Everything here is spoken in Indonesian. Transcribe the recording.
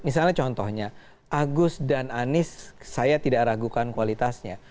misalnya contohnya agus dan anies saya tidak ragukan kualitasnya